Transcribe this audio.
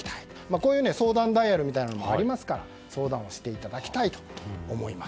こういう相談ダイヤルもありますから相談をしていただきたいと思います。